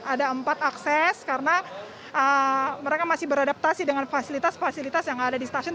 ada empat akses karena mereka masih beradaptasi dengan fasilitas fasilitas yang ada di stasiun